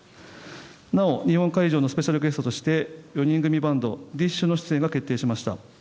なお日本会場のスペシャルゲストとして４人組バンドＢｉＳＨの出演が決定しました。